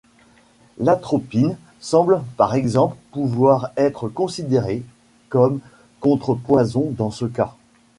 L'atropine semble par exemple pouvoir être considéré comme contre-poison dans ce cas.